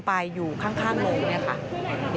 พบหน้าลูกแบบเป็นร่างไร้วิญญาณ